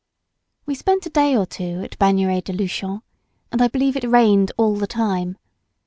We spent a day or two at Bagnères de Lnchon, and I believe it rained all the time.